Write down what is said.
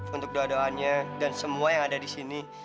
untuk doa doanya dan semua yang ada disini